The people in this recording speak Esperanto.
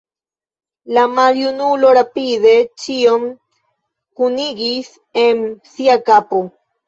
La maljunulo rapide ĉion kunigis en sia kapo.